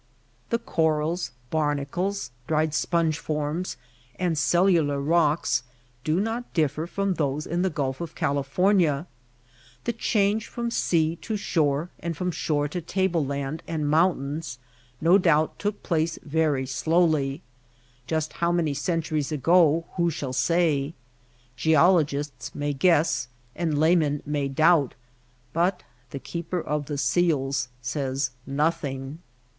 The corals, barnacles, dried sponge forms, and cellular rocks do not differ from those in the Gulf of California. The change from sea to shore, and from shore to table land and mountain, no doubt took place very slow ly. Just how many centuries ago who shall say ? Geologists may guess and laymen may doubt, but the Keeper of the Seals says noth ing.